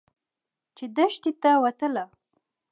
چې دښتې ته وتله.